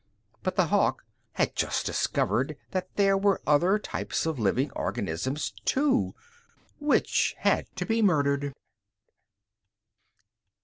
But the Hawk had just discovered that there were other types of living organisms, too Which had to be murdered.